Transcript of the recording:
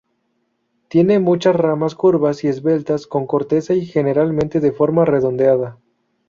Tiene muchas ramas curvas y esbeltas con corteza y generalmente de forma redondeada.